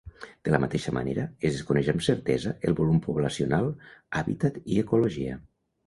De la mateixa manera, es desconeix amb certesa el volum poblacional, hàbitat i ecologia.